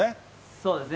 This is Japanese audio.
そうですね。